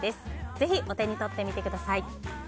ぜひ、お手に取ってみてください。